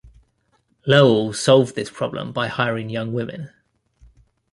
Lowell solved this problem by hiring young women.